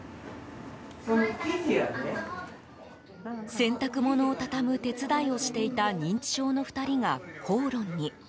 洗濯物を畳む手伝いをしていた認知症の２人が口論に。